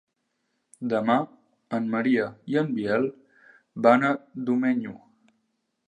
Demà en Maria i en Biel van a Domenyo.